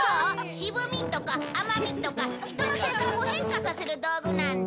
渋みとか甘みとか人の性格を変化させる道具なんだ。